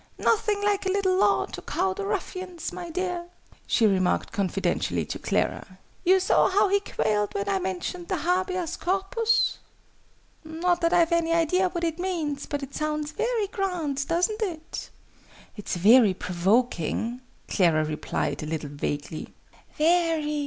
"Nothing like a little Law to cow the ruffians, my dear!" she remarked confidentially to Clara. "You saw how he quailed when I mentioned the Habeas Corpus? Not that I've any idea what it means, but it sounds very grand, doesn't it?" "It's very provoking," Clara replied, a little vaguely. "Very!"